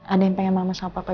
ada yang pengen mama sakitkannya